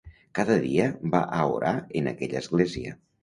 Cada dia va a orar en aquella església.